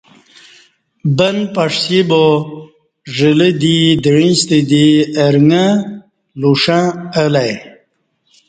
بن پݜی با ژلہ دی دعیں ستہ دی ارݣہ لوݜہ الہ ای